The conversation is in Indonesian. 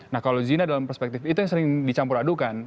nah kalau zina dalam perspektif itu yang sering dicampur adukan